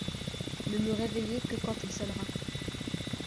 Ne me réveillez que quand il sonnera !…